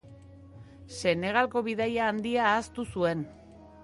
Senegalgo bidaia handia ahaztu zuen.